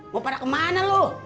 mau pada kemana lo